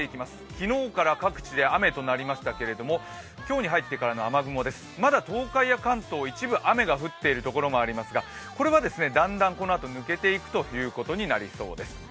昨日から各地で雨となりましたけれども、今日に入ってからの雨雲、まだ東海から関東、一部雨が降っているところがありますがこのあとだんだん抜けていくことになりそうです。